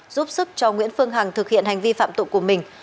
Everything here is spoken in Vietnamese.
giúp sức cho nguyễn phương hằng thực hiện hành vi phạm tội của mình